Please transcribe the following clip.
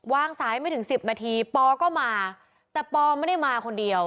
สายไม่ถึงสิบนาทีปอก็มาแต่ปอไม่ได้มาคนเดียว